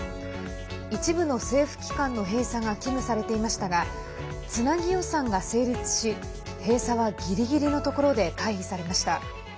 一部の政府機関の閉鎖が危惧されていましたがつなぎ予算が成立し閉鎖はギリギリのところで回避されました。